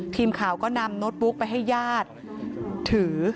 ทีมข่าวก็นำโน้ตบุ๊กไปให้ญาติถือ